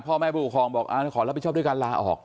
พ่อแม่ผู้ปกครองบอกขอรับผิดชอบด้วยการลาออก